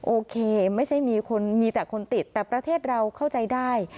โอเคไม่ใช่มีคนมีแต่คนติดแต่ประเทศเราเข้าใจได้